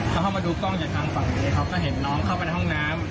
เขาเข้ามาดูกล้องจากทางฝั่งนี้เขาก็เห็นน้องเข้าไปในห้องน้ำ